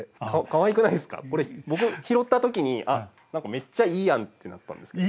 これ僕拾った時にあっ何かめっちゃいいやんってなったんですけど。